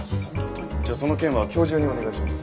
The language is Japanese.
じゃあその件は今日中にお願いします。